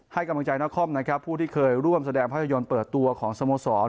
ให้กำลังใจนครนะครับผู้ที่เคยร่วมแสดงภาพยนตร์เปิดตัวของสโมสร